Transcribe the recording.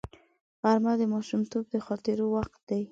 غرمه د ماشومتوب د خاطرو وخت دی